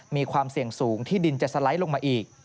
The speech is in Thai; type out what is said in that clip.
มีความเสี่ยงสูงที่ดินจะสไลด์ลงมาอีก